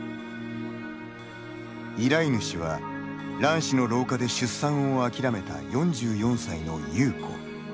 依頼主は、卵子の老化で出産を諦めた、４４歳の悠子。